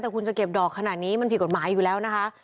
แต่คุณจะเก็บดอกขนาดนี้มันผิดกฎหมายอยู่แล้วนะคะ